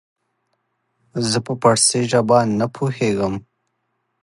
زه په پاړسي زبه نه پوهيږم